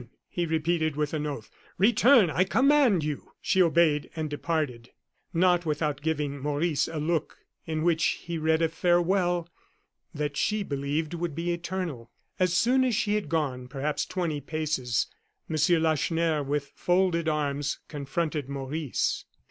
he repeated with an oath; "return, I command you." She obeyed and departed, not without giving Maurice a look in which he read a farewell that she believed would be eternal. As soon as she had gone, perhaps twenty paces, M. Lacheneur, with folded arms, confronted Maurice.